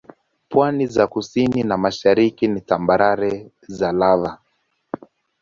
Pwani za kusini na mashariki ni tambarare za lava.